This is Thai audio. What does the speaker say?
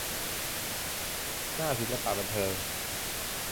หน้าศิลปะบันเทิง